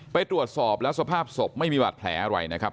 ไปตรวจสอบแล้วสภาพศพไม่มีบาดแผลอะไรนะครับ